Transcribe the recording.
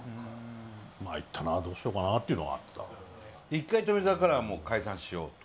１回富澤からは「もう解散しよう」と。